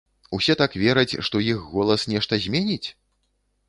Усе так вераць, што іх голас нешта зменіць?